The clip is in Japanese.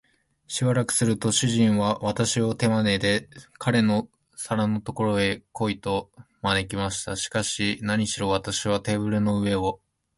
しばらくすると、主人は私を手まねで、彼の皿のところへ来い、と招きました。しかし、なにしろ私はテーブルの上を